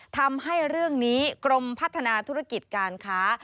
ทำให้เรื่องนี้กรมพัฒนาธุรกิจการค้า